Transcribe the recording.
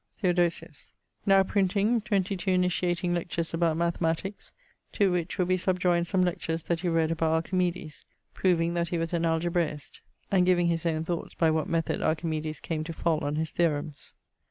Theodosius. Now printing, 22 initiating lectures about mathematics, to which will be subjoined some lectures that he read about Archimedes, proving that he was an algebraist, and giving his owne thoughts by what method Archimedes came to fall on his theoremes.